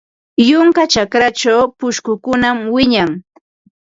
Yunka chakrachaw pushkukunam wiñan.